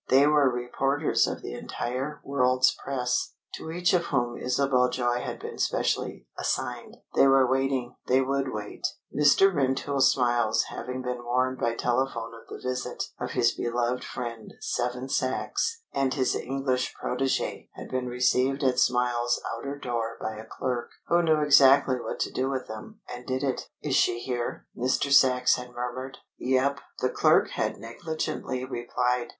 They were reporters of the entire world's press, to each of whom Isabel Joy had been specially "assigned." They were waiting; they would wait. Mr. Rentoul Smiles, having been warned by telephone of the visit of his beloved friend Seven Sachs and his English protégé had been received at Smile's outer door by a clerk who knew exactly what to do with them, and did it. "Is she here?" Mr. Sachs had murmured. "Yep," the clerk had negligently replied.